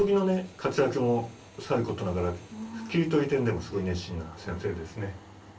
活躍もさることながら普及という点でもすごい熱心な先生ですね。